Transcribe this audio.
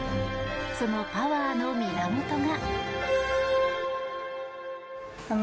そのパワーの源が。